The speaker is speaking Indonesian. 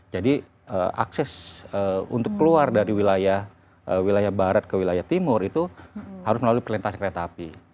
jadi akses untuk keluar dari wilayah barat ke wilayah timur itu harus melalui perlintasan kereta api